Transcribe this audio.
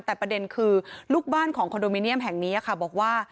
แต่ประเด็นคือลูกบ้านของคอนโดมิเนียมแห่งนี้ค่ะบอกว่า